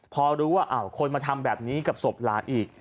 พอรู้ว่าคนมาทำแบบนี้กับศพหลานอีก